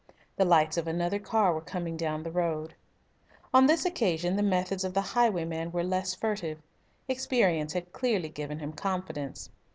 The lights of another car were coming down the road. On this occasion the methods of the highwayman were less furtive. Experience had clearly given him confidence.